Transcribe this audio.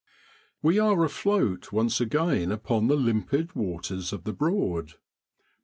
We are afloat once again upon the limpid waters of the Broad.